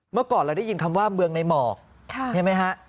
เมื่อก่อนเราได้ยินคำว่าเมืองในหมอกใช่ไหมฮะ